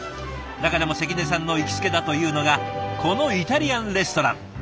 中でも関根さんの行きつけだというのがこのイタリアンレストラン。